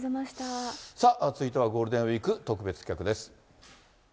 さあ、続いてはゴールデンウィーク特別企画です。